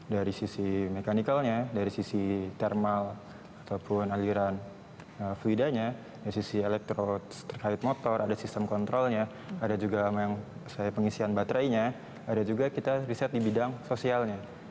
dari sisi mekanikalnya dari sisi thermal ataupun aliran fuidanya dari sisi terkait motor ada sistem kontrolnya ada juga yang saya pengisian baterainya ada juga kita riset di bidang sosialnya